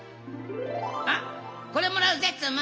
あっこれもらうぜツム！